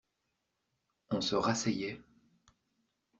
On se rasseyait.